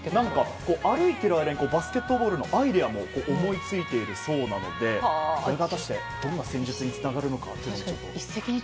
歩きながらバスケのアイデアも思いついているそうなのでそれが果たしてどんな戦術につながるのか。